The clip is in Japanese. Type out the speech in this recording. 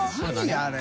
あれ。